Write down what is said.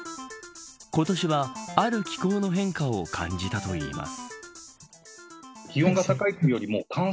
今年はある気候の変化を感じたといいます。